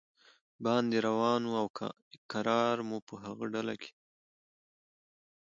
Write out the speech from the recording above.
باندې روان و او کرار مو په هغه ډله کې.